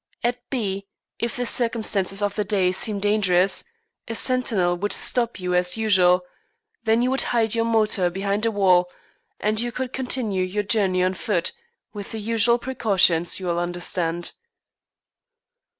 At B , if the circumstances of the day seemed dangerous, a sentinel would stop you as usual; then you would hide your motor behind a wall, and you could continue your journey on foot with the usual precautions, you will understand."